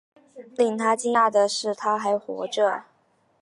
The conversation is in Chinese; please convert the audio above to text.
令他讶异的是她还活着